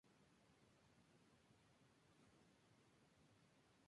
Tras esa nueva victoria, la ciudad de Montevideo fue sometida a un estricto sitio.